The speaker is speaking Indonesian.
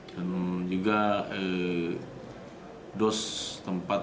dan juga dos tempat